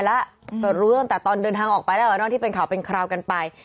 แต่รู้เรื่องต่อตอนเดินทางออกไปด้านที่เป็นข่าวเป็นคราวกันไป